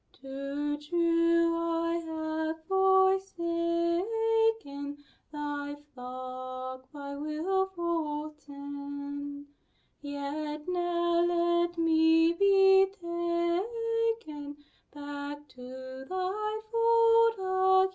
Too true I have forsaken Thy flock by wilful sin; Yet now let me be taken Back to Thy fold again.